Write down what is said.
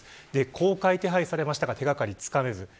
公開手配されましたが手掛かりつかめず。